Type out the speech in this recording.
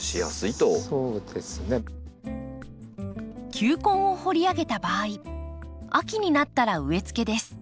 球根を掘り上げた場合秋になったら植えつけです。